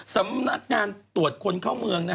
สำนักงานตรวจคนเข้าเมือง